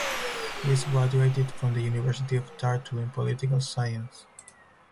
He is graduated from the University of Tartu in political science.